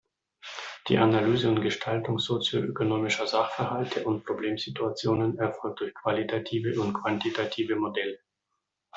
Die Analyse und Gestaltung sozioökonomischer Sachverhalte und Problemsituationen erfolgt durch qualitative und quantitative Modelle.